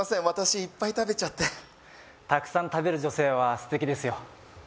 私いっぱい食べちゃってたくさん食べる女性は素敵ですよ